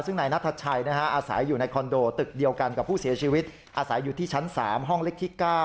ซึ่งนายนัทชัยอาศัยอยู่ในคอนโดตึกเดียวกันกับผู้เสียชีวิตอาศัยอยู่ที่ชั้น๓ห้องเล็กที่๙